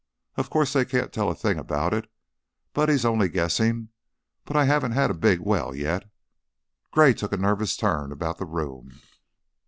Of course, they can't tell a thing about it. Buddy's only guessing, but I haven't had a big well yet." Gray took a nervous turn about the room.